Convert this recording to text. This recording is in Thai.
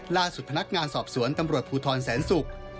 ล่าสุดพนักงานสอบสวนตำรวจภูทรแสนศุกร์